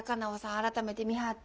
改めて見はって。